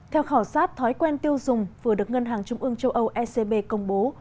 theo khảo sát thói quen tiêu dùng vừa được ngân hàng trung ương châu âu ecb công bố